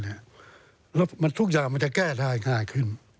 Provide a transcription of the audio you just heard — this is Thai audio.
แล้วทุกอย่างมันจะแก้ได้ง่ายขึ้น